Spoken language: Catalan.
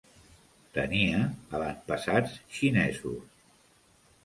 Tenia avantpassats xinesos.